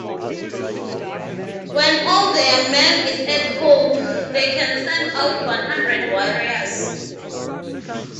When all their men is at home they can Send out One Hundred Warriors.